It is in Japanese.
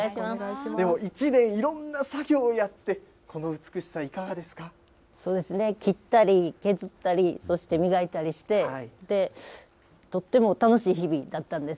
でも１年、いろんな作業やっそうですね、切ったり、削ったり、そして磨いたりして、とっても楽しい日々だったんです。